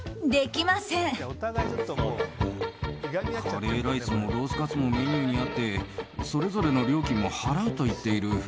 カレーライスもロースカツもメニューにあってそれぞれの料金も払うと言っている。